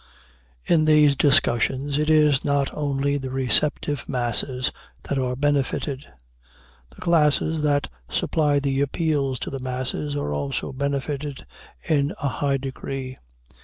In these discussions, it is not only the receptive masses that are benefited; the classes that supply the appeals to the masses are also benefited in a high degree.